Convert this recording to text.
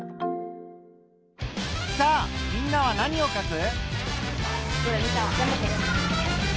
さあみんなは何をかく？